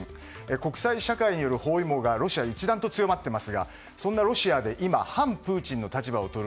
国際社会による包囲網がロシア一段と強まっていますがそんなロシアで今反プーチンの立場をとる